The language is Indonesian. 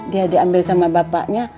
dia diambil sama bapaknya